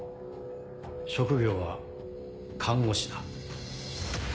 職業は看護師だ。